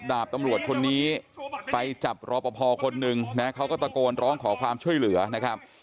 ดาบตำรวจคนนี้ไปจับรอปภคนหนึ่งนะเขาก็ตะโกนร้องขอความช่วยเหลือนะครับ